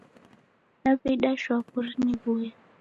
Naw'eida shwaw'ori niw'uya